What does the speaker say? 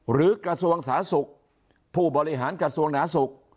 กระทรวงสาธารณสุขผู้บริหารกระทรวงหนาสุข